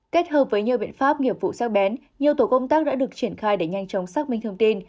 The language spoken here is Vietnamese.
kết hợp với nhiều biện pháp nghiệp vụ sát bén nhiều tổ công tác đã được triển khai để nhanh chóng xác minh thông tin